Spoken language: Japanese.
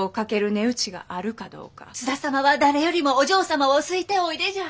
津田様は誰よりもお嬢様を好いておいでじゃ。